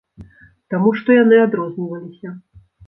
Таму што яны адрозніваліся.